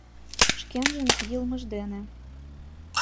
Шкенжын йылмыж дене.